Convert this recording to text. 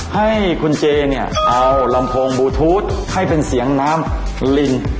ให้คุณเจเนี่ยเอาลำโพงบลูทูธให้เป็นเสียงน้ำลิง